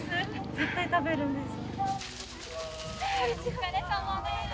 絶対食べるんです。